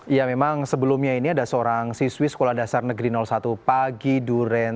ya memang sebelumnya ini ada seorang siswi sekolah dasar negeri satu pagi duren